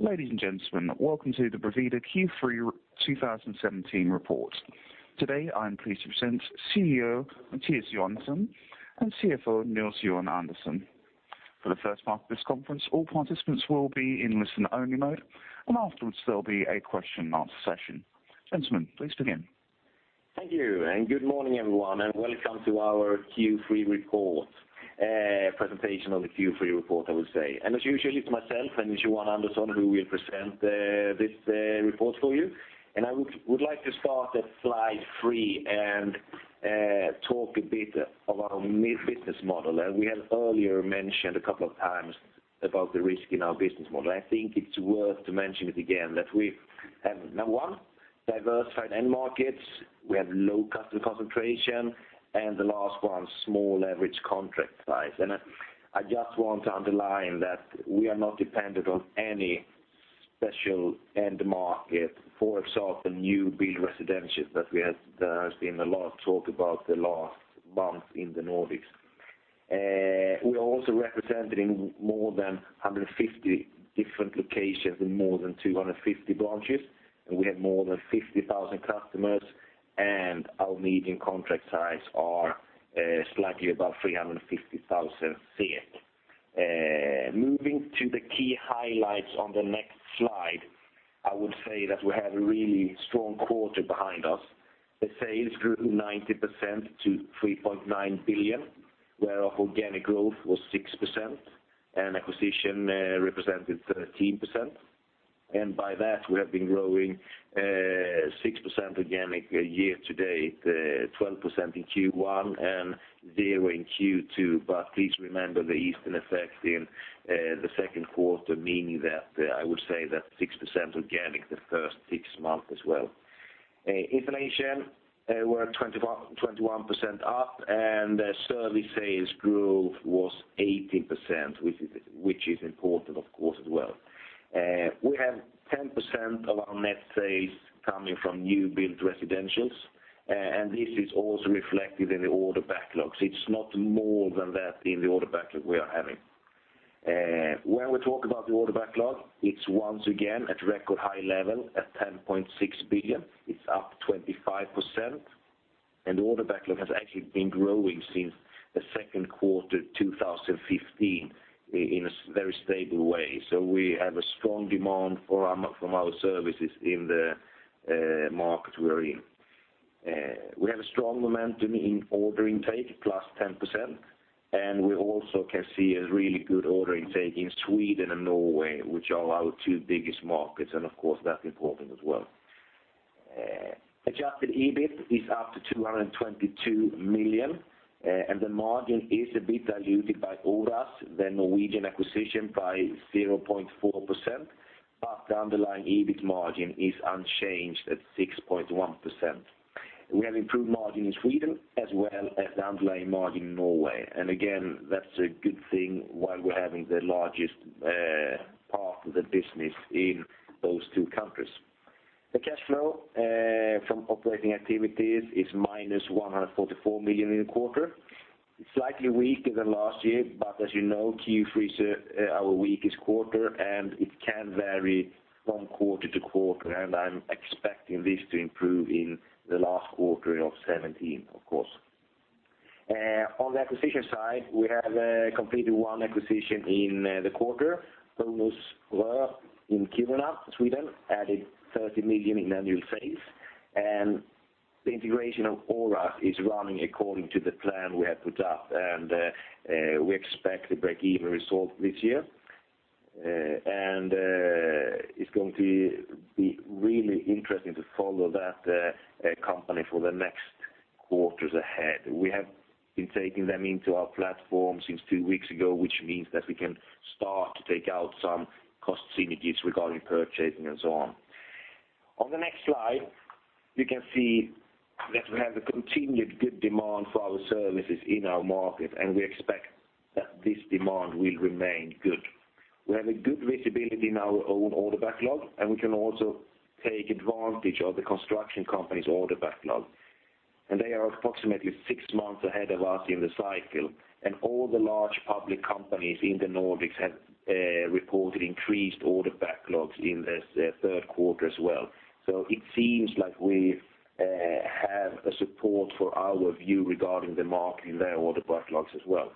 Ladies and gentlemen, welcome to the Bravida Q3 2017 report. Today, I'm pleased to present CEO, Mattias Johansson, and CFO, Nils-Johan Andersson. For the first part of this conference, all participants will be in listen-only mode. Afterwards, there'll be a question and answer session. Gentlemen, please begin. Thank you, good morning, everyone, and welcome to our Q3 report, presentation of the Q3 report, I would say. As usually, it's myself and Johan Andersson, who will present, this report for you. I would like to start at slide three and talk a bit about our new business model. We have earlier mentioned a couple of times about the risk in our business model. I think it's worth to mention it again, that we have, number one, diversified end markets, we have low customer concentration, and the last one, small average contract size. I just want to underline that we are not dependent on any special end market, for itself, the new build residentials that we have, there has been a lot of talk about the last month in the Nordics. We are also represented in more than 150 different locations in more than 250 branches. We have more than 50,000 customers. Our median contract size are slightly above 350,000. Moving to the key highlights on the next slide, I would say that we have a really strong quarter behind us. The sales grew 90% to 3.9 billion, where our organic growth was 6%. Acquisition represented 13%. By that, we have been growing 6% organic year to date, 12% in Q1 and 0 in Q2. Please remember the Eastern effect in the second quarter, meaning that I would say that 6% organic the first six months as well. Inflation, we're 21% up, and service sales growth was 80%, which is important, of course, as well. We have 10% of our net sales coming from new build residentials, and this is also reflected in the order backlogs. It's not more than that in the order backlog we are having. When we talk about the order backlog, it's once again at record high level at 10.6 billion. It's up 25%, and the order backlog has actually been growing since the second quarter 2015, in a very stable way. We have a strong demand for our, from our services in the market we're in. We have a strong momentum in order intake, +10%. We also can see a really good order intake in Sweden and Norway, which are our two biggest markets. Of course, that's important as well. Adjusted EBIT is up to 222 million. The margin is a bit diluted by Oras, the Norwegian acquisition, by 0.4%, but the underlying EBIT margin is unchanged at 6.1%. We have improved margin in Sweden, as well as the underlying margin in Norway. Again, that's a good thing while we're having the largest part of the business in those two countries. The cash flow from operating activities is minus 144 million in the quarter. It's slightly weaker than last year, but as you know, Q3 is our weakest quarter, and it can vary from quarter to quarter, and I'm expecting this to improve in the last quarter of 2017, of course. On the acquisition side, we have completed one acquisition in the quarter, Pounus rör in Kiruna, Sweden, added 30 million in annual sales. The integration of Oras is running according to the plan we have put up, and we expect a break-even result this year. It's going to be really interesting to follow that company for the next quarters ahead. We have been taking them into our platform since two weeks ago, which means that we can start to take out some cost synergies regarding purchasing and so on. On the next slide, you can see that we have a continued good demand for our services in our market. We expect that this demand will remain good. We have a good visibility in our own order backlog, and we can also take advantage of the construction company's order backlog. They are approximately six months ahead of us in the cycle, and all the large public companies in the Nordics have reported increased order backlogs in the third quarter as well. It seems like we have a support for our view regarding the market in their order backlogs as well.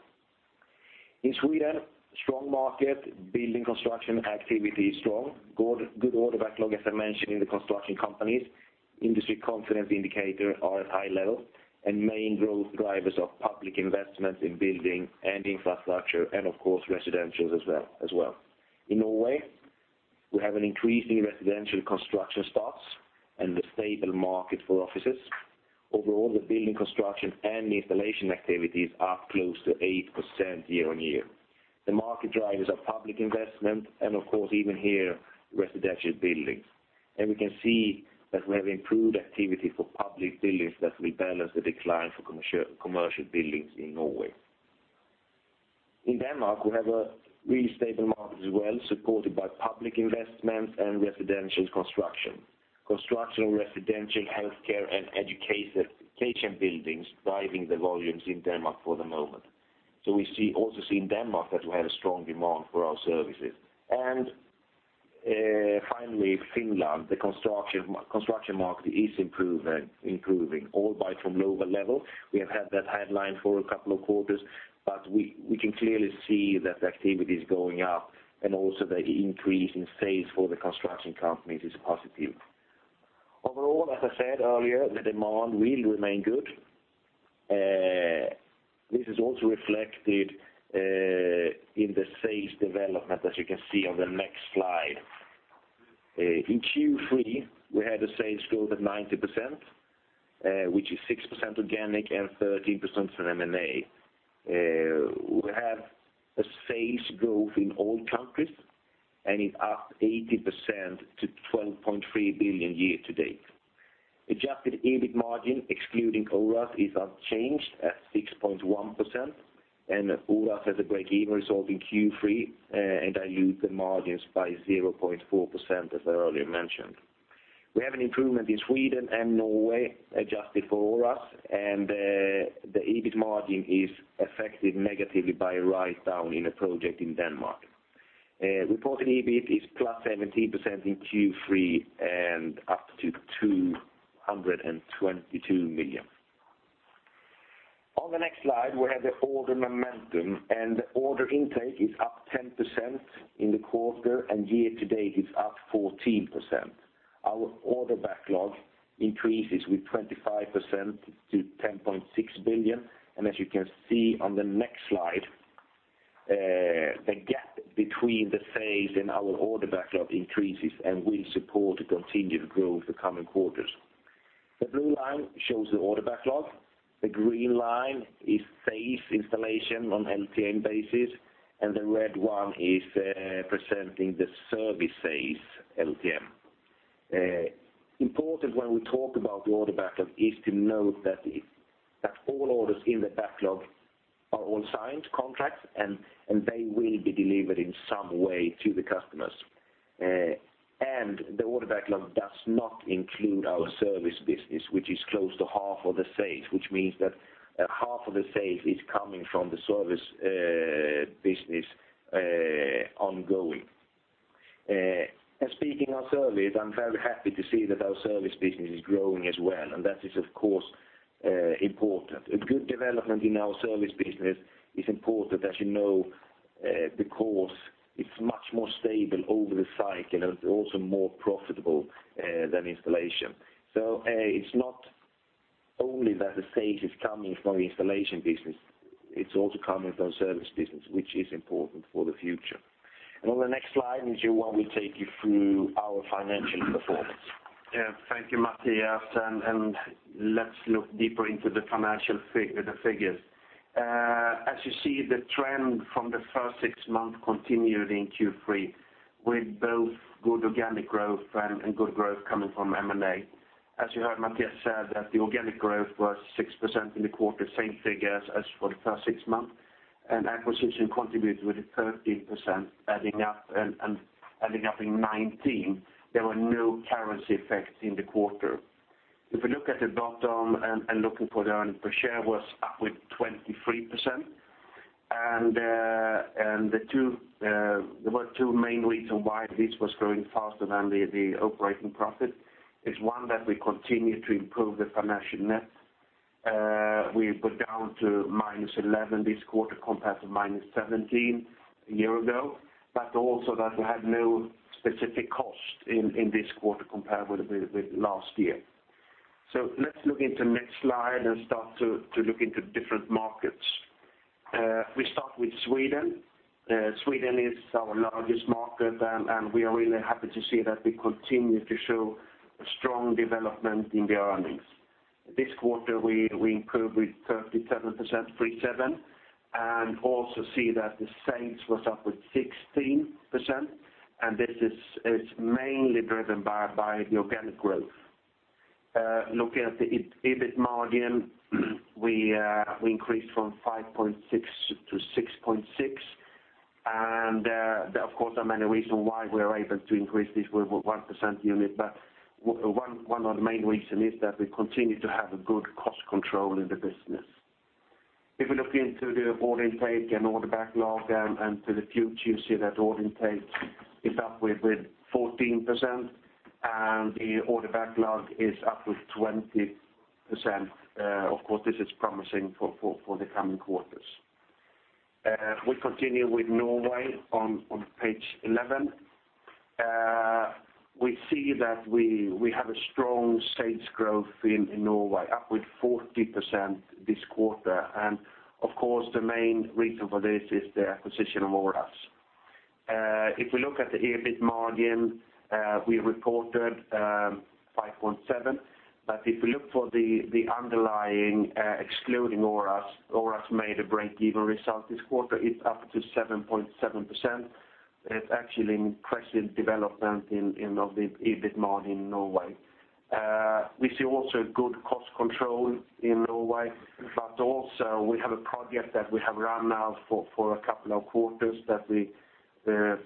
In Sweden, strong market, building construction activity is strong. Good order backlog, as I mentioned, in the construction companies. Industry confidence indicator are at high level, main growth drivers of public investment in building and infrastructure, and of course, residentials as well. In Norway, we have an increasing residential construction starts and a stable market for offices. Overall, the building construction and installation activities are up close to 8% year-on-year. The market drivers are public investment and, of course, even here, residential buildings. We can see that we have improved activity for public buildings that will balance the decline for commercial buildings in Norway. In Denmark, we have a really stable market as well, supported by public investment and residential construction, residential, healthcare, and education buildings driving the volumes in Denmark for the moment. We also see in Denmark that we have a strong demand for our services. Finally, Finland, the construction market is improving, all by from lower level. We have had that headline for a couple of quarters, but we can clearly see that the activity is going up, and also the increase in sales for the construction companies is positive. Overall, as I said earlier, the demand will remain good. This is also reflected in the sales development, as you can see on the next slide. In Q3, we had a sales growth of 90%, which is 6% organic and 13% from M&A. We have a sales growth in all countries, and it's up 80% to 12.3 billion year to date. Adjusted EBIT margin, excluding Oras, is unchanged at 6.1%, and Oras has a break-even result in Q3, and dilute the margins by 0.4%, as I earlier mentioned. We have an improvement in Sweden and Norway, adjusted for Oras, and the EBIT margin is affected negatively by a write-down in a project in Denmark. Reported EBIT is +17% in Q3 and up to 222 million. On the next slide, we have the order momentum, and order intake is up 10% in the quarter, and year to date, it's up 14%. Our order backlog increases with 25% to 10.6 billion, and as you can see on the next slide, the gap between the sales and our order backlog increases and will support the continued growth the coming quarters. The blue line shows the order backlog, the green line is sales installation on LTM basis, and the red one is presenting the service sales LTM. Important when we talk about the order backlog is to note that all orders in the backlog are all signed contracts, and they will be delivered in some way to the customers. The order backlog does not include our service business, which is close to half of the sales, which means that half of the sales is coming from the service business ongoing. Speaking of service, I'm very happy to see that our service business is growing as well, and that is, of course, important. A good development in our service business is important, as you know, because it's much more stable over the cycle and also more profitable than installation. It's not only that the sales is coming from the installation business, it's also coming from service business, which is important for the future. On the next slide, Nils-Johans will take you through our financial performance. Yeah, thank you, Mattias, and let's look deeper into the financial figures. As you see, the trend from the first six months continued in Q3, with both good organic growth and good growth coming from M&A. As you heard, Mattias said that the organic growth was 6% in the quarter, same figure as for the first six months, and acquisition contributed with a 13%, adding up in 19. There were no currency effects in the quarter. If we look at the bottom and looking for the earnings per share, was up with 23%, and the two main reasons why this was growing faster than the operating profit. It's one, that we continue to improve the financial net. We were down to -11% this quarter compared to -17% a year ago, but also that we had no specific cost in this quarter compared with last year. Let's look into next slide and start to look into different markets. We start with Sweden. Sweden is our largest market, and we are really happy to see that we continue to show a strong development in the earnings. This quarter, we improved with 37%, 37, and also see that the sales was up with 16%, and this is mainly driven by the organic growth. Looking at the EBIT margin, we increased from 5.6 to 6.6, there of course are many reasons why we are able to increase this with 1% unit, but one of the main reason is that we continue to have a good cost control in the business. If we look into the order intake and order backlog and to the future, you see that order intake is up with 14%, the order backlog is up with 20%. Of course, this is promising for the coming quarters. We continue with Norway on page 11. We see that we have a strong sales growth in Norway, up with 40% this quarter. Of course, the main reason for this is the acquisition of Oras. If we look at the EBIT margin, we reported 5.7%. If we look for the underlying, excluding Oras made a break-even result this quarter, it's up to 7.7%. It's actually impressive development of the EBIT margin in Norway. We see also good cost control in Norway, but also we have a project that we have run now for a couple of quarters that we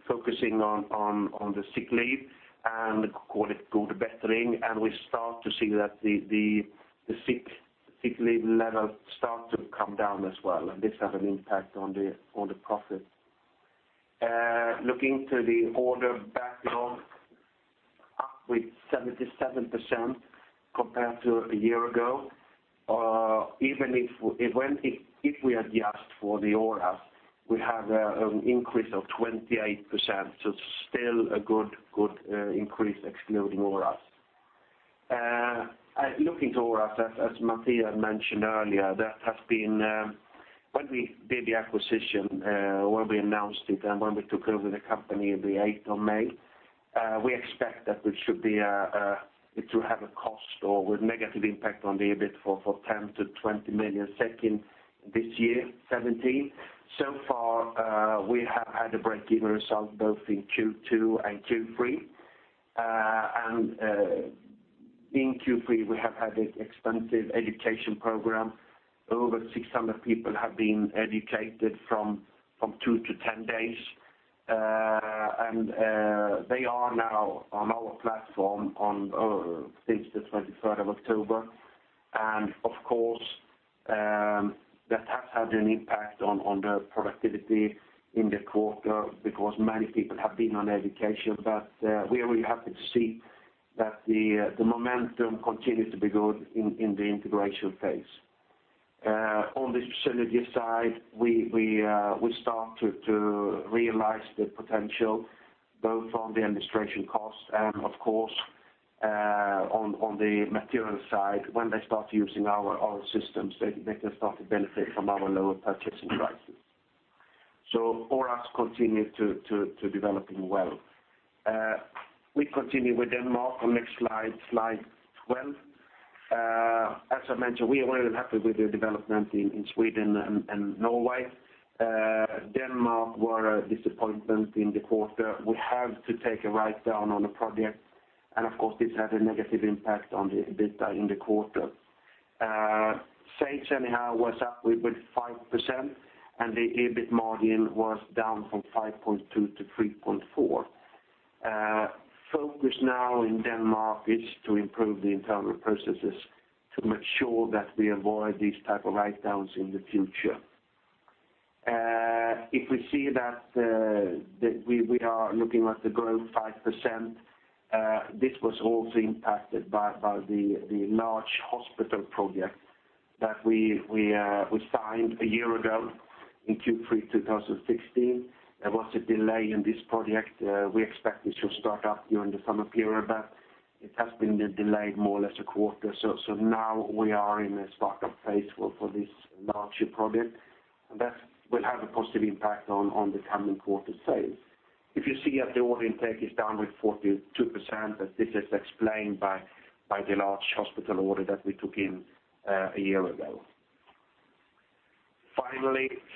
focusing on the sick leave, and call it good bettering, and we start to see that the sick leave level start to come down as well, and this has an impact on the profit. Looking to the order backlog, up with 77% compared to a year ago. Even if we adjust for the Oras, we have an increase of 28%, still a good increase excluding Oras. Looking to Oras, as Mattias mentioned earlier, that has been when we did the acquisition, when we announced it, and when we took over the company the 8th of May, we expect that we should be it to have a cost or with negative impact on the EBIT for 10 million-20 million in this year, 2017. Far, we have had a break-even result both in Q2 and Q3. In Q3, we have had an extensive education program. Over 600 people have been educated from two to 10 days. They are now on our platform since the 23rd of October. Of course, that has had an impact on the productivity in the quarter, because many people have been on education. We are really happy to see that the momentum continues to be good in the integration phase. On the synergy side, we start to realize the potential, both on the administration cost and of course, on the material side. When they start using our systems, they can start to benefit from our lower purchasing prices. Oras continue to developing well. We continue with Denmark on next slide 12. As I mentioned, we are really happy with the development in Sweden and Norway. Denmark were a disappointment in the quarter. We have to take a write-down on a project. Of course, this had a negative impact on the EBITDA in the quarter. Sales anyhow was up with 5%, and the EBIT margin was down from 5.2 to 3.4. Focus now in Denmark is to improve the internal processes to make sure that we avoid these type of write-downs in the future. If we see that we are looking at the growth 5%, this was also impacted by the large hospital project that we signed a year ago in Q3 2016. There was a delay in this project. We expect it to start up during the summer period, but it has been delayed more or less a quarter. Now we are in a startup phase for this larger project, and that will have a positive impact on the coming quarter sales. If you see that the order intake is down with 42%, but this is explained by the large hospital order that we took in a year ago.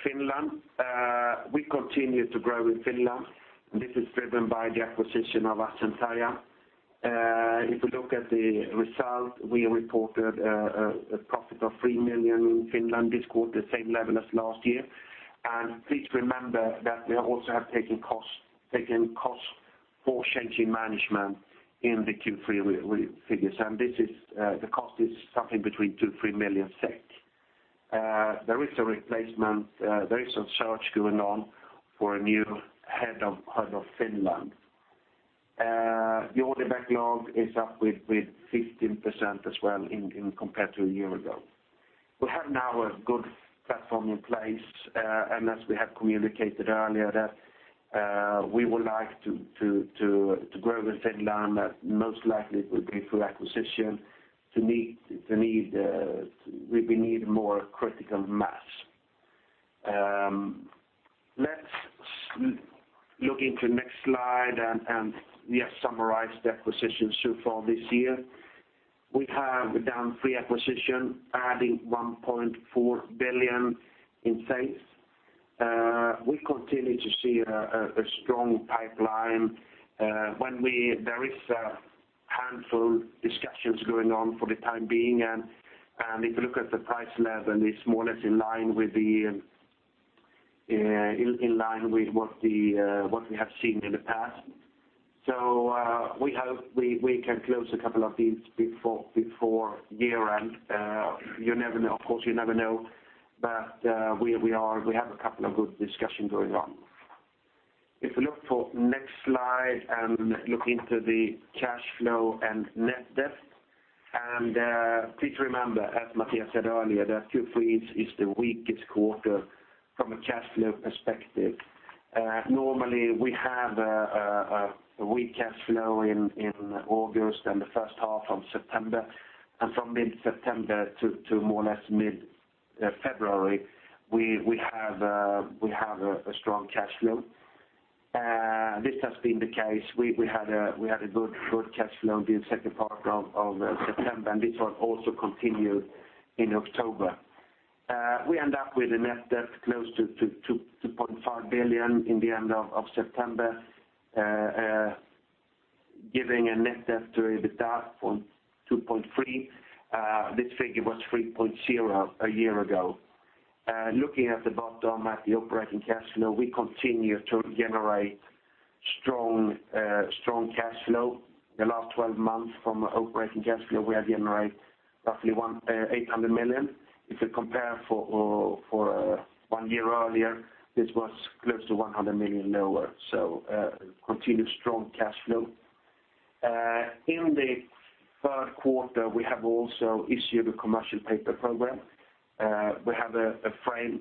Finland. We continue to grow in Finland, and this is driven by the acquisition of Asentaja Group. If you look at the result, we reported a profit of 3 million in Finland this quarter, same level as last year. Please remember that we also have taken costs for changing management in the Q3 figures, and this is the cost is something between 2 million-3 million SEK. There is a replacement, there is a search going on for a new head of Finland. The order backlog is up with 15% as well compared to a year ago. We have now a good platform in place, as we have communicated earlier, that we would like to grow with Finland, but most likely it will be through acquisition, we need more critical mass. Let's look into next slide, we have summarized the acquisitions so far this year. We have done three acquisition, adding 1.4 billion in sales. We continue to see a strong pipeline. There is a handful discussions going on for the time being, and if you look at the price level, it's more or less in line with what the what we have seen in the past. We hope we can close a couple of deals before year-end. You never know, of course, we have a couple of good discussion going on. If you look for next slide, look into the cash flow and net debt, please remember, as Mattias said earlier, that Q3 is the weakest quarter from a cash flow perspective. Normally, we have a weak cash flow in August and the first half of September, and from mid-September to more or less mid-February, we have a strong cash flow. This has been the case. We had a good cash flow in the second part of September, and this will also continue in October. We end up with a net debt close to 2.5 billion in the end of September. Giving a net debt to EBITDA from 2.3. This figure was 3.0 a year ago. Looking at the bottom at the operating cash flow, we continue to generate strong cash flow. The last 12 months from operating cash flow, we have generated roughly 800 million. If you compare for one year earlier, this was close to 100 million lower, continued strong cash flow. In the third quarter, we have also issued a commercial paper program. We have a frame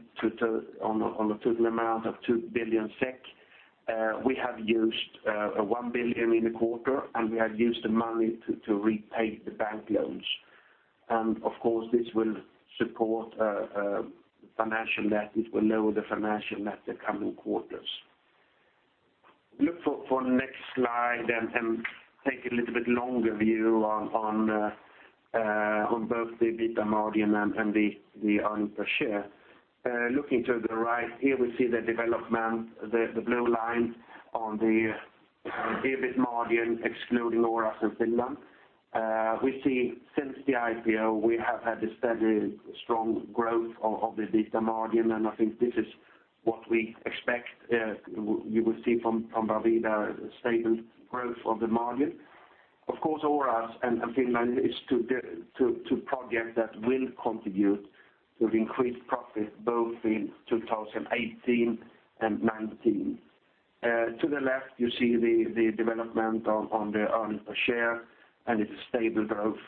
on a total amount of 2 billion SEK. We have used 1 billion in the quarter, and we have used the money to repay the bank loans. Of course, this will support financial debt. It will lower the financial debt the coming quarters. Look for next slide and take a little bit longer view on both the EBITDA margin and the earnings per share. Looking to the right here, we see the development, the blue line on the EBIT margin, excluding Oras and Finland. We see since the IPO, we have had a steady, strong growth of the EBITDA margin. I think this is what we expect. You will see from Bravida, stable growth of the margin. Of course, Oras and Finland is two projects that will contribute to increased profit, both in 2018 and 2019. To the left, you see the development on the earnings per share. It's a stable growth.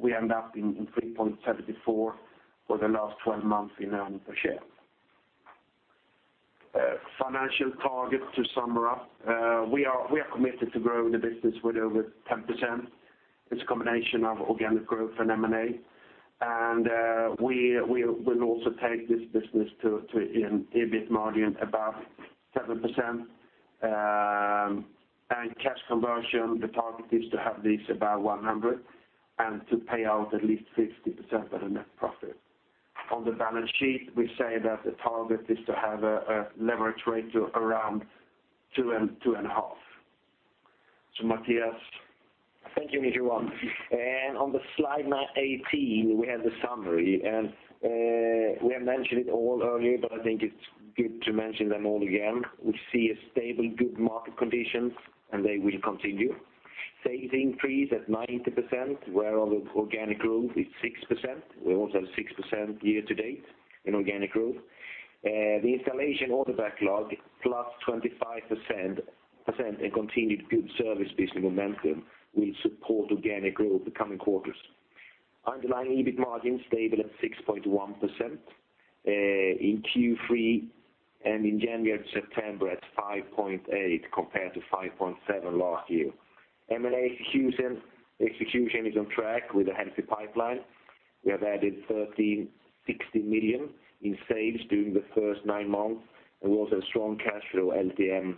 We end up in 3.74 for the last 12 months in earnings per share. Financial targets to sum her up. We are committed to growing the business with over 10%. It's a combination of organic growth and M&A, and we will also take this business to an EBIT margin about 7%. Cash conversion, the target is to have this about 100, and to pay out at least 50% of the net profit. On the balance sheet, we say that the target is to have a leverage rate to around 2-2.5. Mattias? Thank you, Niklas. On the slide nine to 18, we have the summary. We have mentioned it all earlier. I think it's good to mention them all again. We see a stable, good market conditions. They will continue. Sales increase at 90%, where our organic growth is 6%. We also have 6% year to date in organic growth. The installation order backlog, +25%, continued good service business momentum will support organic growth the coming quarters. Underlying EBIT margin, stable at 6.1% in Q3, in January and September at 5.8%, compared to 5.7% last year. M&A execution is on track with a healthy pipeline. We have added 1,360 million in sales during the first 9 months. We also have strong cash flow. LTM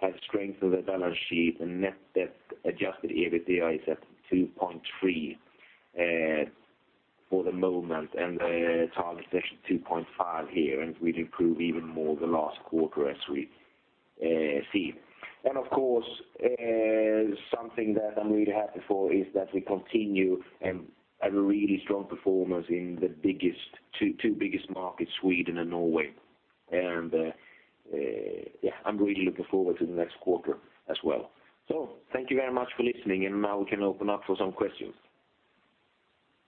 has strengthened the balance sheet. Net debt adjusted EBITDA is at 2.3 for the moment, and the target is actually 2.5 here. We've improved even more the last quarter as we see. Of course, something that I'm really happy for is that we continue and have a really strong performance in the two biggest markets, Sweden and Norway. Yeah, I'm really looking forward to the next quarter as well. Thank you very much for listening. Now we can open up for some questions.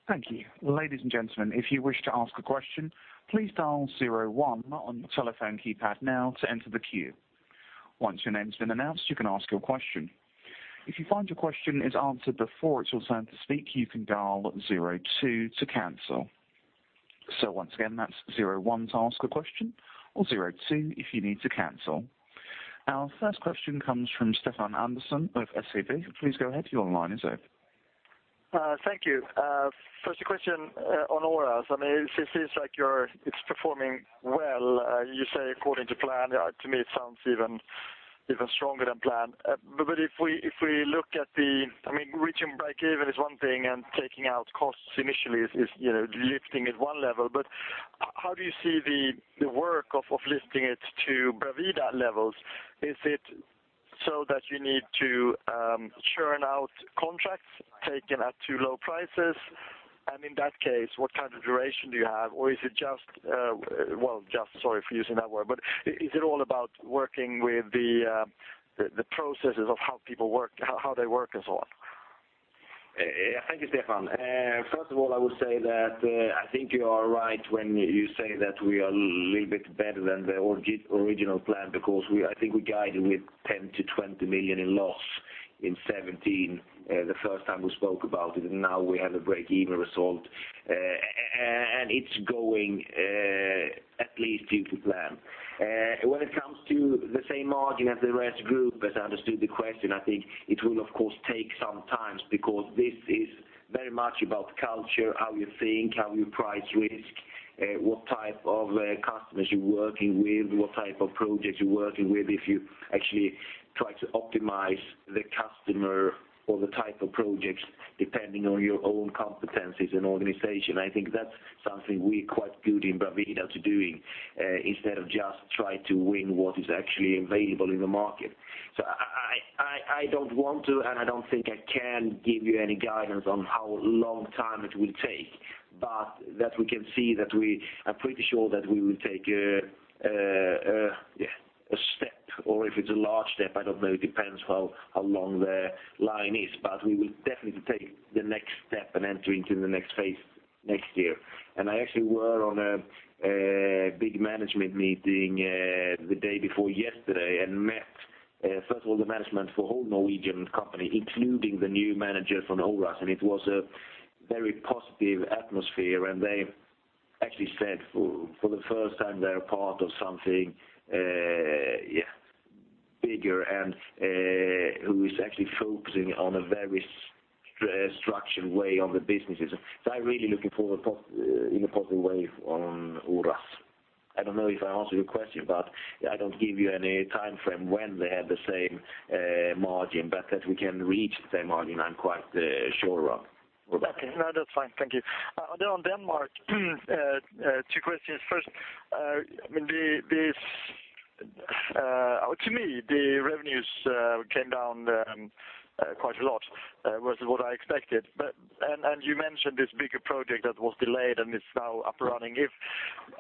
Thank you. Ladies and gentlemen, if you wish to ask a question, please dial zero one on your telephone keypad now to enter the queue. Once your name's been announced, you can ask your question. If you find your question is answered before it's your turn to speak, you can dial zero two to cancel. Once again, that's zero one to ask a question or zero two if you need to cancel. Our first question comes from Stefan Andersson of SEB. Please go ahead, your line is open. Thank you. First a question on Oras. I mean, it seems like it's performing well. You say according to plan, to me, it sounds even stronger than planned. If we look at the I mean, reaching breakeven is one thing, and taking out costs initially is, you know, lifting at one level. How do you see the work of lifting it to Bravida levels? Is it so that you need to churn out contracts taken at too low prices? In that case, what kind of duration do you have? Is it just, well, just, sorry for using that word, but is it all about working with the processes of how people work, how they work and so on? Thank you, Stefan. First of all, I would say that I think you are right when you say that we are little bit better than the original plan, because I think we guided with 10 million-20 million in loss in 2017, the first time we spoke about it. We have a breakeven result, and it's going at least to plan. When it comes to the same margin as the rest group, as I understood the question, I think it will, of course, take some time, because this is very much about culture, how you think, how you price risk, what type of customers you're working with, what type of projects you're working with, if you actually try to optimize the customer or the type of projects, depending on your own competencies and organization. I think that's something we're quite good in Bravida to doing, instead of just trying to win what is actually available in the market. I don't want to, and I don't think I can give you any guidance on how long time it will take, but that we can see that we are pretty sure that we will take yeah, a step, or if it's a large step, I don't know. It depends how long the line is, but we will definitely take the next step and enter into the next phase next year. I actually were on a big management meeting the day before yesterday and met, first of all, the management for whole Norwegian company, including the new manager from Oras. It was a very positive atmosphere. They actually said for the first time, they're part of something, yeah, bigger and who is actually focusing on a very structured way on the businesses. I'm really looking forward in a positive way on Oras. I don't know if I answered your question, but I don't give you any timeframe when they have the same margin, but that we can reach the same margin, I'm quite sure of, about. Okay. No, that's fine, thank you. On Denmark, two questions. First, I mean, to me, the revenues came down quite a lot versus what I expected, but. You mentioned this bigger project that was delayed and is now up and running. If,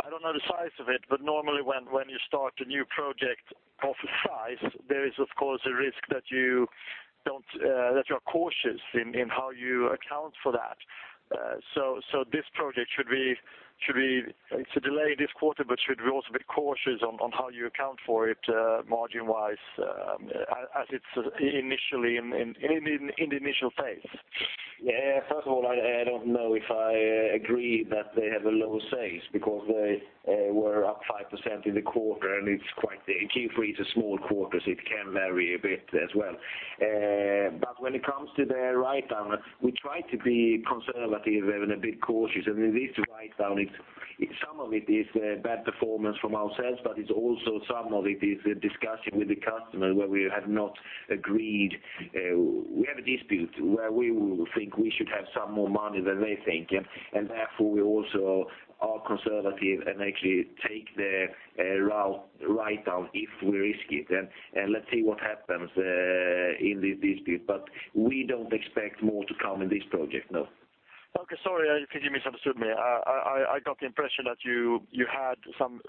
I don't know the size of it, but normally when you start a new project of size, there is, of course, a risk that you don't, that you are cautious in how you account for that. This project should we It's a delay this quarter, but should we also be cautious on how you account for it, margin-wise, as it's initially in the initial phase? First of all, I don't know if I agree that they have a lower sales, because they were up 5% in the quarter, and it's quite Q3 is a small quarter, so it can vary a bit as well. When it comes to the write-down, we try to be conservative and a bit cautious, and this write-down, some of it is bad performance from ourselves, but it's also some of it is a discussion with the customer where we have not agreed. We have a dispute where we will think we should have some more money than they think, and therefore, we also are conservative and actually take the write-down if we risk it. Let's see what happens in this dispute, but we don't expect more to come in this project, no. Okay, sorry if you misunderstood me. I got the impression that you had some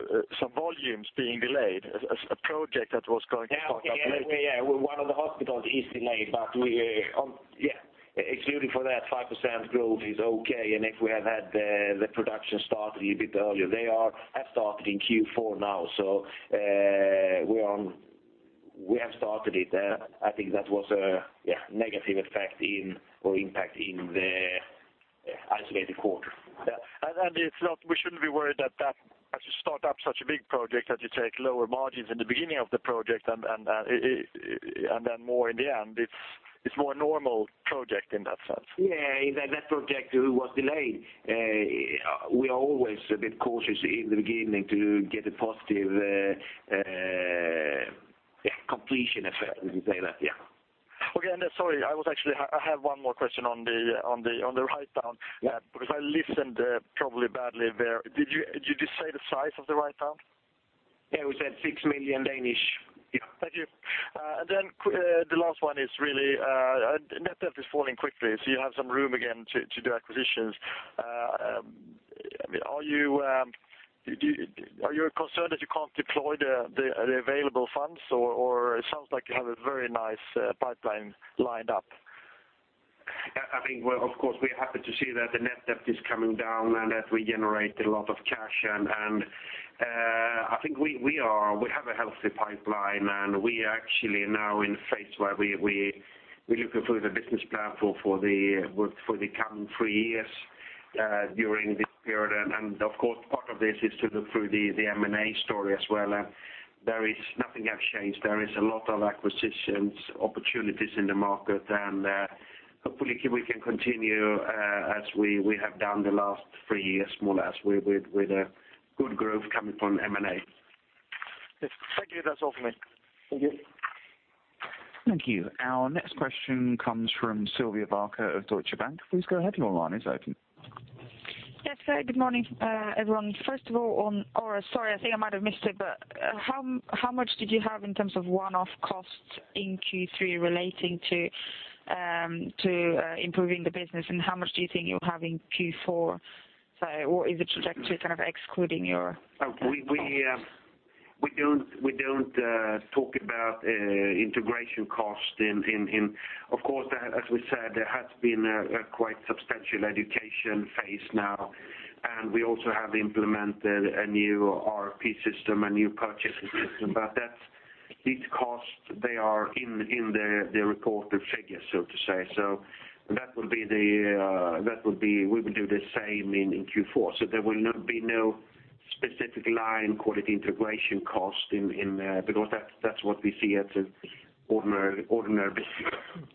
volumes being delayed, a project that was going to start up later. Yeah, yeah. One of the hospitals is delayed. Yeah, excluding for that, 5% growth is okay. If we have had the production started a bit earlier, they have started in Q4 now. We have started it. I think that was a, yeah, negative effect in or impact in the, yeah, isolated quarter. Yeah. It's not, we shouldn't be worried that as you start up such a big project, that you take lower margins in the beginning of the project and then more in the end. It's more normal project in that sense. Yeah, that project was delayed. We are always a bit cautious in the beginning to get a positive, yeah, completion effect, if you say that, yeah. Okay, sorry, I have one more question on the write-down, because I listened, probably badly there. Did you just say the size of the write-down? Yeah, we said 6 million. Thank you. The last one is really, net debt is falling quickly, so you have some room again to do acquisitions. Are you concerned that you can't deploy the available funds or it sounds like you have a very nice pipeline lined up? I think, well, of course, we are happy to see that the net debt is coming down and that we generate a lot of cash. I think we are, we have a healthy pipeline, and we are actually now in a phase where we're looking through the business plan for the coming three years during this period. Of course, part of this is to look through the M&A story as well, and there is nothing has changed. There is a lot of acquisitions, opportunities in the market, and hopefully, we can continue, as we have done the last three years, more or less, with a good growth coming from M&A. Yes. Thank you. That's all for me. Thank you. Thank you. Our next question comes from Silvia Cuneo of Deutsche Bank. Please go ahead, your line is open. Yes. Hey, good morning, everyone. First of all, on Oras, sorry, I think I might have missed it, but, how much did you have in terms of one-off costs in Q3 relating to, improving the business, and how much do you think you'll have in Q4? Or is it projected kind of excluding your- We don't talk about integration cost in. Of course, as we said, there has been a quite substantial education phase now. We also have implemented a new ERP system, a new purchasing system. These costs, they are in the reported figures, so to say. That will be the. We will do the same in Q4. There will not be no specific line called the integration cost in because that's what we see as an ordinary business cost.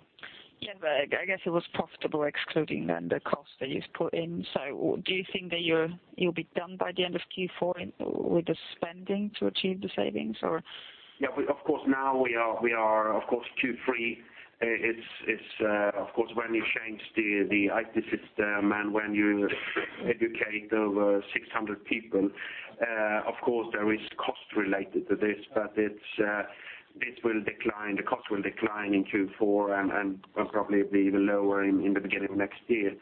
Yeah, but I guess it was profitable excluding then the cost that you put in. Do you think that you're, you'll be done by the end of Q4 in, with the spending to achieve the savings or? Yeah, we, of course, now we are, of course, Q3. It's, of course, when you change the IT system, and when you educate over 600 people, of course, there is cost related to this, but it's, this will decline. The cost will decline in Q4, and probably be even lower in the beginning of next year.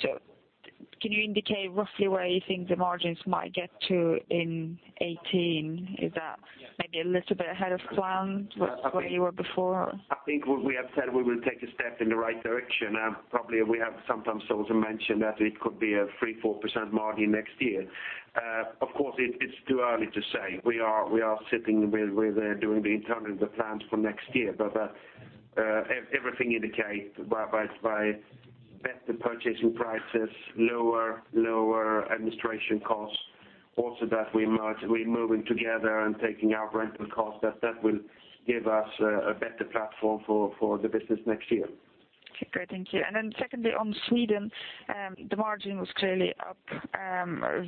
Yeah. Can you indicate roughly where you think the margins might get to in 2018? Is that maybe a little bit ahead of plan than where you were before? I think what we have said, we will take a step in the right direction, and probably we have sometimes also mentioned that it could be a 3%-4% margin next year. Of course, it's too early to say. We are sitting with doing the internal plans for next year. Everything indicate by better purchasing prices, lower administration costs, also that we're moving together and taking our rental costs, that will give us a better platform for the business next year. Okay, great. Thank you. Secondly, on Sweden, the margin was clearly up,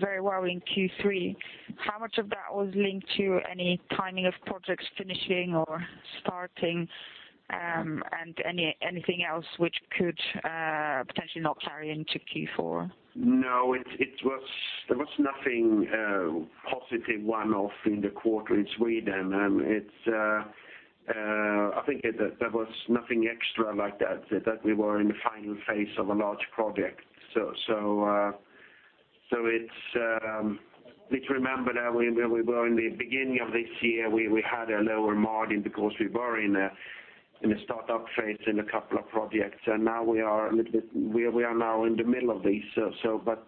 very well in Q3. How much of that was linked to any timing of projects finishing or starting, and anything else which could potentially not carry into Q4? No, it was there was nothing positive one-off in the quarter in Sweden. It's, I think there was nothing extra like that we were in the final phase of a large project. It's, please remember that we were in the beginning of this year, we had a lower margin because we were in a startup phase in a couple of projects, and now we are a little bit. We are now in the middle of these. But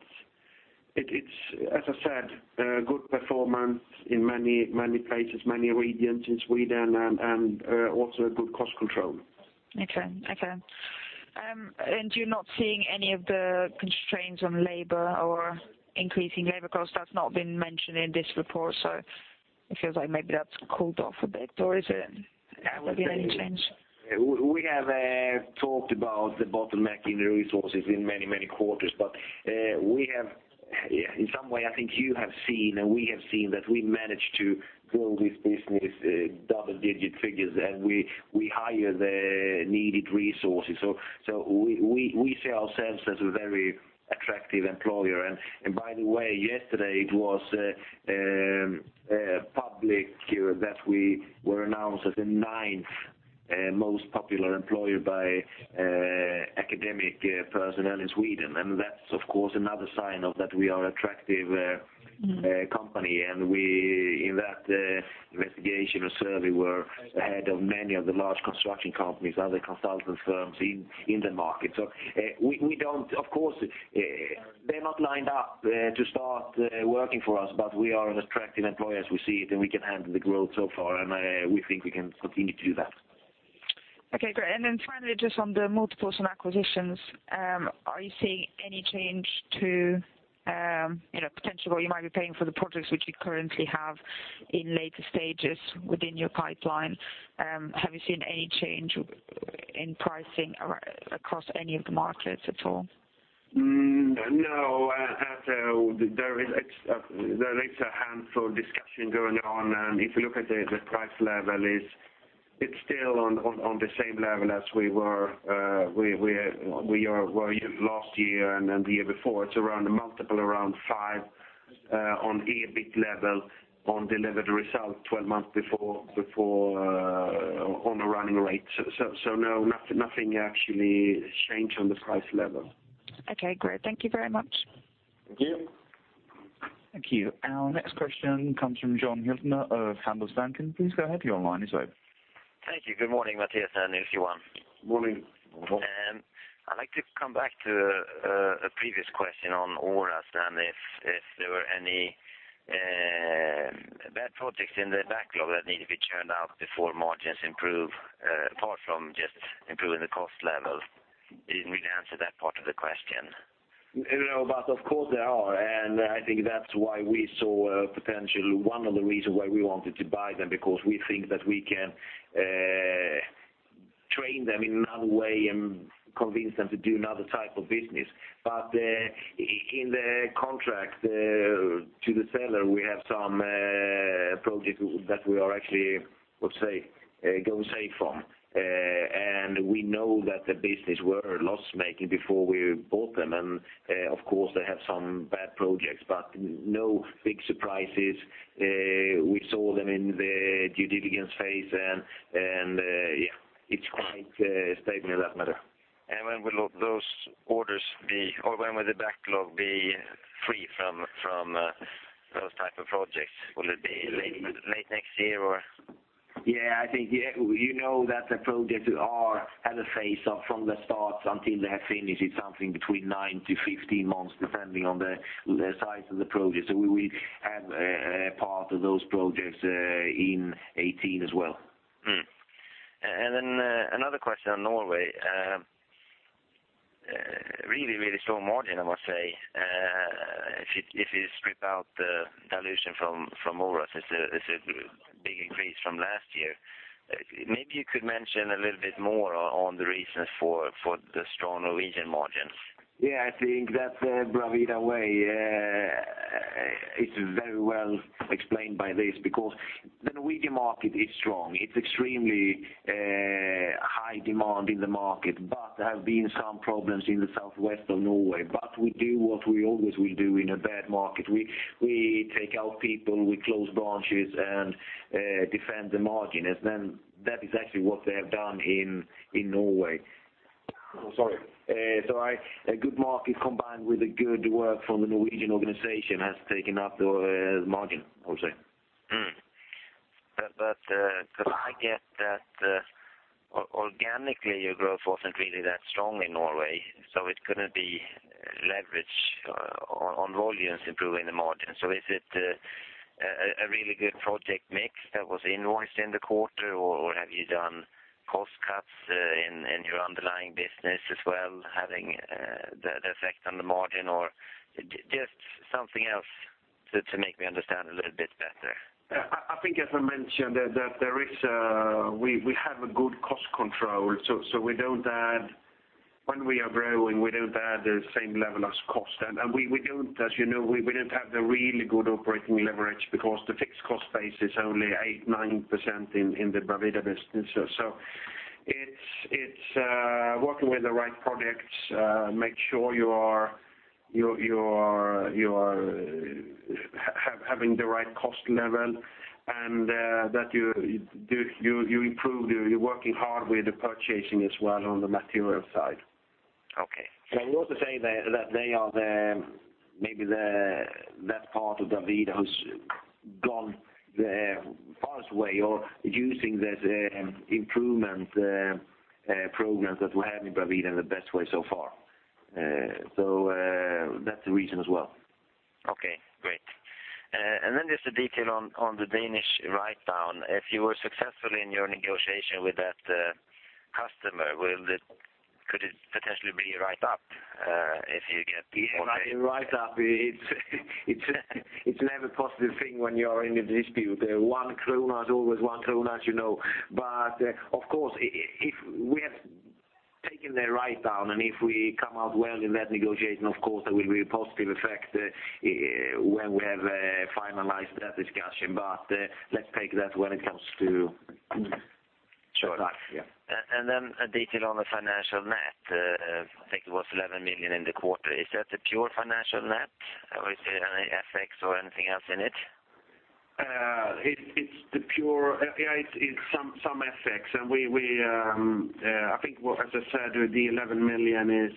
it's, as I said, a good performance in many places, many regions in Sweden and also a good cost control. Okay. Okay. You're not seeing any of the constraints on labor or increasing labor costs? That's not been mentioned in this report. It feels like maybe that's cooled off a bit. Yeah. Any change? We have talked about the bottleneck in resources in many quarters, we have, in some way, I think you have seen, and we have seen that we managed to grow this business, double-digit figures, and we hire the needed resources. We see ourselves as a very attractive employer. By the way, yesterday it was public that we were announced as the ninth most popular employer by academic personnel in Sweden. That's, of course, another sign of that we are attractive. Mm-hmm... company. We, in that investigation or survey, we're ahead of many of the large construction companies, other consultant firms in the market. We, we don't, of course, they're not lined up to start working for us, but we are an attractive employer as we see it, and we can handle the growth so far, and we think we can continue to do that. Okay, great. Finally, just on the multiples and acquisitions, are you seeing any change to, you know, potentially what you might be paying for the projects which you currently have in later stages within your pipeline? Have you seen any change in pricing across any of the markets at all? No, at, there is a handful of discussion going on. If you look at the price level is, it's still on the same level as we were last year and the year before. It's around a multiple, around 5x on EBIT level, on delivered results 12 months before on a running rate. No, nothing actually changed on the price level. Okay, great. Thank you very much. Thank you. Thank you. Our next question comes from Erik Hultgård of Handelsbanken. Please go ahead. You're online, he's ready. Thank you. Good morning, Mattias, and everyone. Morning, John. I'd like to come back to a previous question on Oras, and if there were any bad projects in the backlog that need to be churned out before margins improve, apart from just improving the cost level. You didn't really answer that part of the question. No, of course, there are, and I think that's why we saw a potential, one of the reasons why we wanted to buy them, because we think that we can train them in another way and convince them to do another type of business. In the contract, to the seller, we have some projects that we are actually, let's say, go safe from. We know that the business were loss-making before we bought them, and, of course, they have some bad projects, but no big surprises. We saw them in the due diligence phase, and, yeah, it's quite stable in that matter. When will those orders be, or when will the backlog be free from those type of projects? Will it be late next year, or? Yeah, I think, yeah, you know that the projects are at a phase of, from the start until they have finished, it's something between nine to 15 months, depending on the size of the project. We have part of those projects in 2018 as well. Another question on Norway. A strong margin, I must say, if you, if you strip out the dilution from Oras, it's a, it's a big increase from last year. Maybe you could mention a little bit more on the reasons for the strong Norwegian margin. Yeah, I think that Bravida Way, it's very well explained by this, because the Norwegian market is strong. It's extremely high demand in the market, but there have been some problems in the southwest of Norway. We do what we always will do in a bad market. We take out people, we close branches, and defend the margin. That is actually what they have done in Norway. Oh, sorry. Sorry. A good market combined with the good work from the Norwegian organization has taken up the margin, I would say. Could I get that organically, your growth wasn't really that strong in Norway, so it couldn't be leverage on volumes improving the margin. Is it, a really good project mix that was invoiced in the quarter? Have you done cost cuts in your underlying business as well, having the effect on the margin? Just something else to make me understand a little bit better. I think as I mentioned, that there is a. We have a good cost control, so we don't add. When we are growing, we don't add the same level as cost. We don't, as you know, we don't have the really good operating leverage because the fixed cost base is only 8%-9% in the Bravida business. It's working with the right products, make sure you are having the right cost level, and that you improve, you're working hard with the purchasing as well on the material side. Okay. Can I also say that they are the, maybe the, that part of Bravida who's gone the farthest way or using this, improvement, programs that we have in Bravida in the best way so far. That's the reason as well. Okay, great. Then just a detail on the Danish writedown. If you were successful in your negotiation with that customer, could it potentially be a write-up, if you get the...? Yeah, a write-up, it's never a positive thing when you are in a dispute. 1 kronor is always 1 kronor, as you know. Of course, if we have taken the write-down, and if we come out well in that negotiation, of course, there will be a positive effect, when we have finalized that discussion. Let's take that when it comes to... Sure. Yeah. A detail on the financial net. I think it was 11 million in the quarter. Is that a pure financial net, or is there any FX or anything else in it? It, it's the pure... Yeah, it's some FX. We, I think what, as I said, the 11 million is,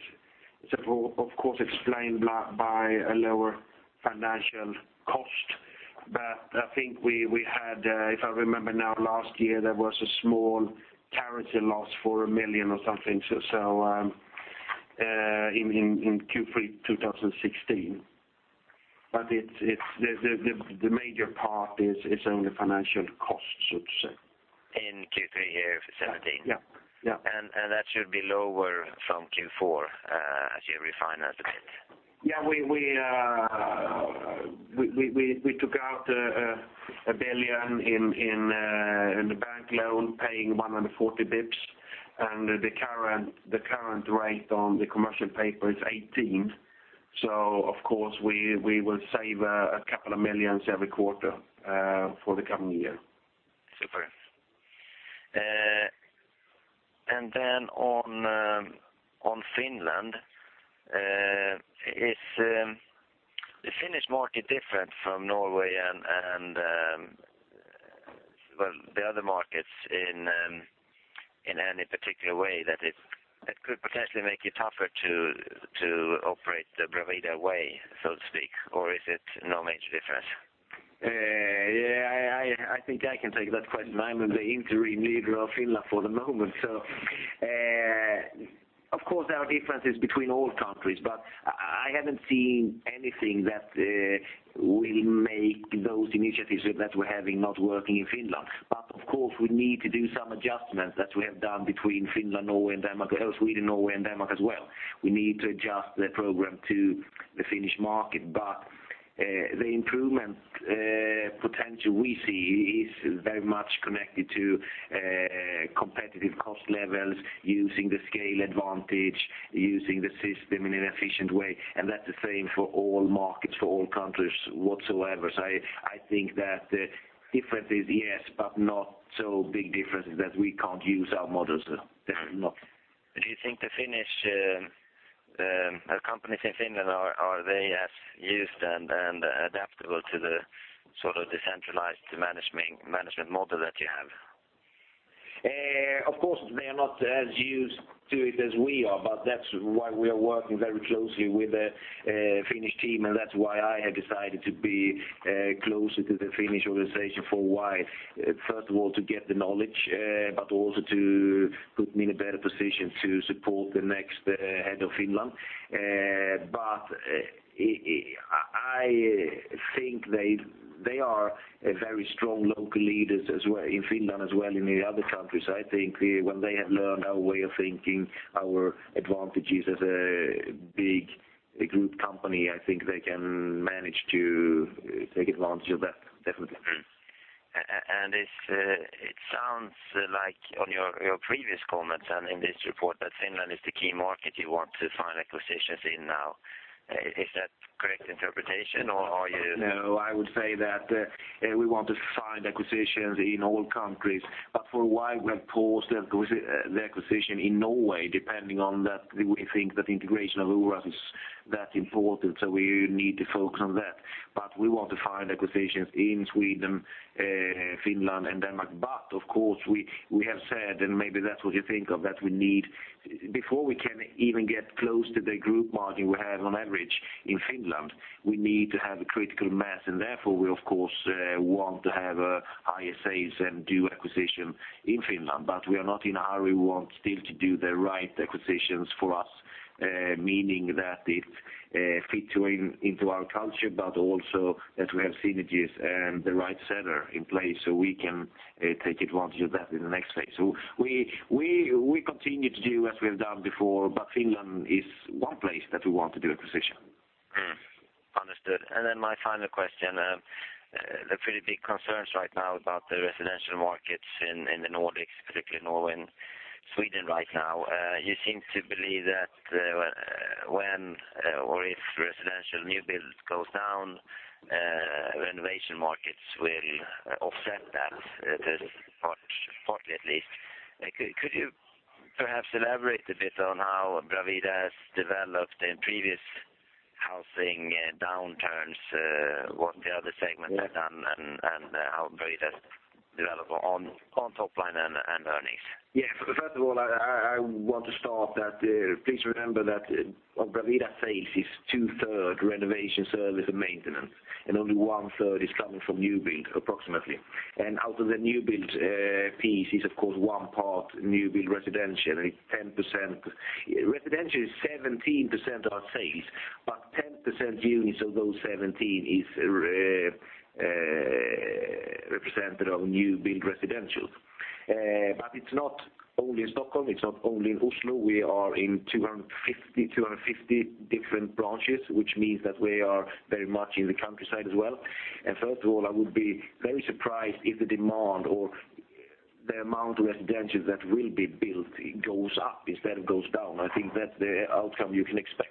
of course, explained by a lower financial cost. I think we had, if I remember now, last year, there was a small currency loss for 1 million or something. In Q3 2016. It's, the major part is only financial costs, so to say. In Q3 2017? Yeah. Yeah. That should be lower from Q4, as you refinance a bit. Yeah, we took out 1 billion in the bank loan, paying 140 bips. The current rate on the commercial paper is 18. Of course, we will save a couple of million SEK every quarter for the coming year. Super. Then on Finland, is the Finnish market different from Norway and, well, the other markets in any particular way that it could potentially make it tougher to operate the Bravida Way, so to speak, or is it no major difference? Yeah, I think I can take that question. I'm the interim leader of Finland for the moment. Of course, there are differences between all countries, but I haven't seen anything that will make those initiatives that we're having not working in Finland. Of course, we need to do some adjustments that we have done between Finland, Norway, and Denmark, or Sweden, Norway, and Denmark as well. We need to adjust the program to the Finnish market, but the improvement potential we see is very much connected to competitive cost levels, using the scale advantage, using the system in an efficient way, and that's the same for all markets, for all countries whatsoever. I think that differences, yes, but not so big differences that we can't use our models. Definitely not. Do you think the Finnish companies in Finland, are they as used and adaptable to the sort of decentralized management model that you have? Of course, they are not as used to it as we are. That's why we are working very closely with the Finnish team. That's why I have decided to be closer to the Finnish organization for a while. First of all, to get the knowledge, but also to put me in a better position to support the next head of Finland. I think they are a very strong local leaders as well, in Finland as well, and in the other countries. I think when they have learned our way of thinking, our advantages as a big group company, I think they can manage to take advantage of that, definitely. It sounds like on your previous comments and in this report, that Finland is the key market you want to find acquisitions in now. Is that correct interpretation? No, I would say that we want to find acquisitions in all countries. For a while, we have paused the acquisition in Norway, depending on that, we think that the integration of Oras is that important, so we need to focus on that. We want to find acquisitions in Sweden, Finland, and Denmark. Of course, we have said, and maybe that's what you think of, that before we can even get close to the group margin we have on average in Finland, we need to have a critical mass, and therefore, we of course, want to have higher sales and do acquisition in Finland. We are not in a hurry. We want still to do the right acquisitions for us, meaning that it into our culture, but also that we have synergies and the right seller in place, so we can take advantage of that in the next phase. We continue to do as we have done before, but Finland is one place that we want to do acquisition. Understood. My final question, the pretty big concerns right now about the residential markets in the Nordics, particularly Norway and Sweden right now. You seem to believe that when or if residential new builds goes down, renovation markets will offset that partly at least. Could you perhaps elaborate a bit on how Bravida has developed in previous housing downturns, what the other segments have done, and how Bravida has developed on top line and earnings? Yeah. First of all, I want to start that, please remember that Bravida sales is 2/3 renovation, service, and maintenance, and only 1/3 is coming from new build, approximately. Out of the new build piece is, of course, one part new build residential, and it's 10%. Residential is 17% of our sales, but 10% units of those 17% is represented on new build residential. It's not only in Stockholm, it's not only in Oslo. We are in 250 different branches, which means that we are very much in the countryside as well. First of all, I would be very surprised if the demand or the amount of residentials that will be built goes up instead of goes down. I think that's the outcome you can expect.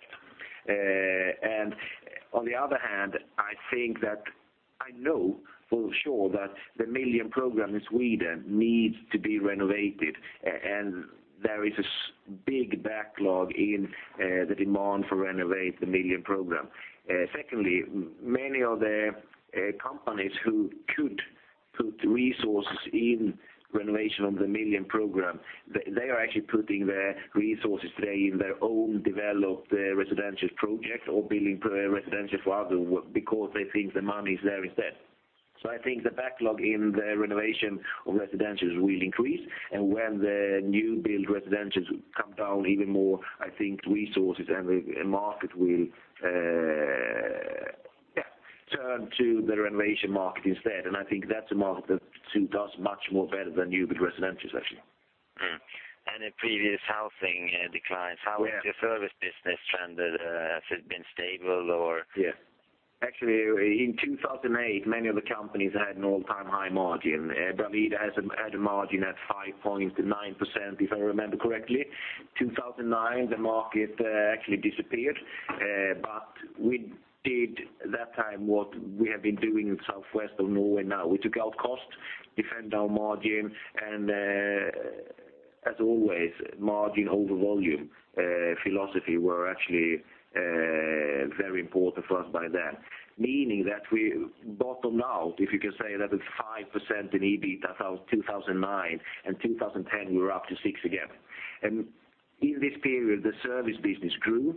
On the other hand, I think that I know for sure that the Million Programme in Sweden needs to be renovated, and there is a big backlog in the demand for renovate the Million Programme. Secondly, many of the companies who could put resources in renovation of the Million Programme, they are actually putting their resources today in their own developed residential projects or building residential for others, because they think the money is there instead. I think the backlog in the renovation of residentials will increase, and when the new build residentials come down even more, I think resources and the market will, yeah, turn to the renovation market instead. I think that's a market that soon does much more better than new build residentials, actually. In previous housing declines. Yeah. How has your service business trended? Has it been stable or? Yeah. Actually, in 2008, many of the companies had an all-time high margin. Bravida had a margin at 5.9%, if I remember correctly. 2009, the market actually disappeared, but we did that time what we have been doing in southwest of Norway now. We took out cost, defend our margin, and as always, margin over volume philosophy were actually very important for us by then. Meaning that we bottomed out, if you can say that at 5% in EBIT in 2009, and 2010, we were up to 6% again. In this period, the service business grew.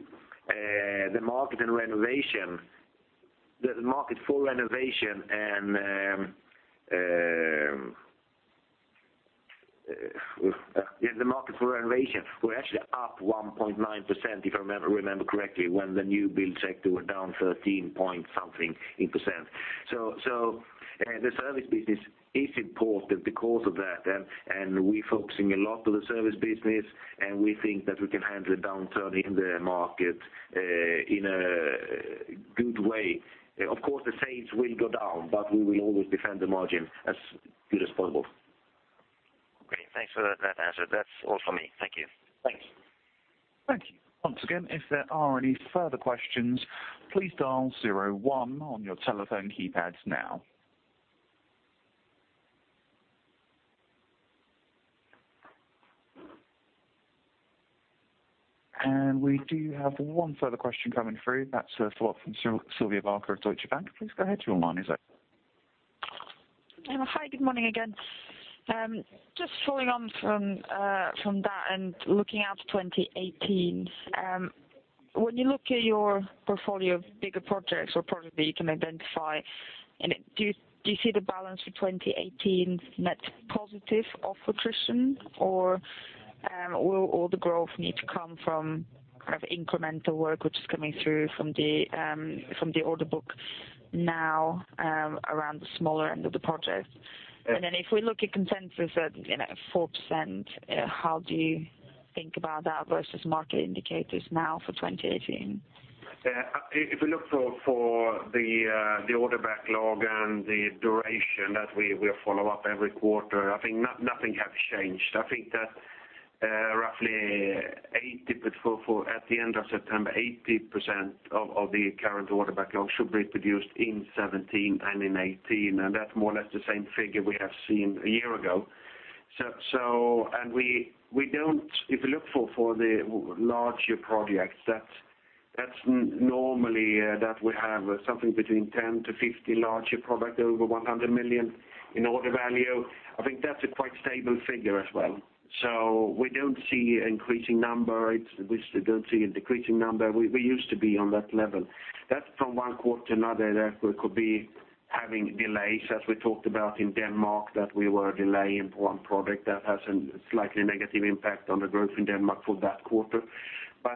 The market and renovation, the market for renovation and... Yeah, the market for renovation were actually up 1.9%, if I remember correctly, when the new build sector were down 13-point something percent. The service business is important because of that, and we're focusing a lot on the service business, and we think that we can handle a downturn in the market in a good way. Of course, the sales will go down, but we will always defend the margin as good as possible. Great. Thanks for that answer. That's all for me. Thank you. Thanks. Thank you. Once again, if there are any further questions, please dial zero one on your telephone keypads now. We do have one further question coming through. That's from Silvia Cuneo at Deutsche Bank. Please go ahead, your line is open. Hi, good morning again. Just following on from that and looking out to 2018. When you look at your portfolio of bigger projects or projects that you can identify, do you see the balance for 2018 net positive or attrition, or will all the growth need to come from kind of incremental work, which is coming through from the order book now, around the smaller end of the project? If we look at consensus at, you know, 4%, how do you think about that versus market indicators now for 2018? If we look for the order backlog and the duration that we follow up every quarter, I think nothing has changed. I think that roughly 80, but for at the end of September, 80% of the current order backlog should be produced in 2017 and in 2018, and that's more or less the same figure we have seen a year ago. If you look for the larger projects, that's normally that we have something between 10 to 50 larger project, over 100 million in order value. I think that's a quite stable figure as well. We don't see increasing numbers, we still don't see a decreasing number. We used to be on that level. That's from one quarter to another, that we could be having delays, as we talked about in Denmark, that we were delaying one project that has a slightly negative impact on the growth in Denmark for that quarter.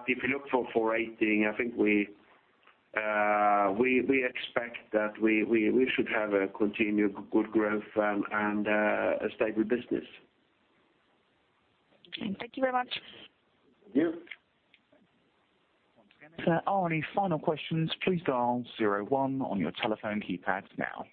If you look for 2018, I think we expect that we should have a continued good growth, and a stable business. Thank you very much. Thank you. If there are any final questions, please dial zero-one on your telephone keypad now.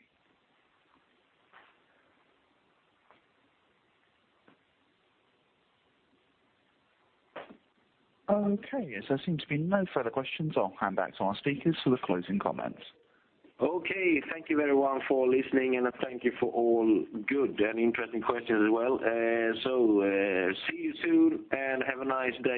Okay, as there seem to be no further questions, I'll hand back to our speakers for the closing comments. Okay. Thank you, everyone, for listening, and thank you for all good and interesting questions as well. See you soon, and have a nice day.